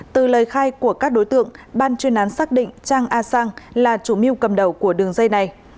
từ lời khai của các đối tượng ban chuyên án xác định trang a sang là chủ mưu cầm đầu của đường dây này